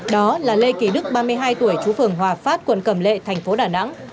đó là lê kỳ đức ba mươi hai tuổi chú phường hòa phát quận cầm lệ thành phố đà nẵng